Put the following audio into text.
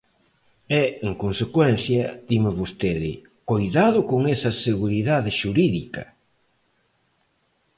E, en consecuencia, dime vostede: ¡coidado con esa seguridade xurídica!